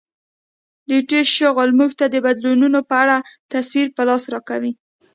د اتیوس شغل موږ ته د بدلونونو په اړه تصویر په لاس راکوي